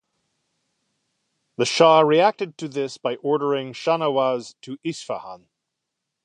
The shah reacted to this by ordering Shahnawaz to Isfahan.